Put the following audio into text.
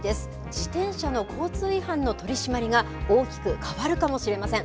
自転車の交通違反の取締りが大きく変わるかもしれません。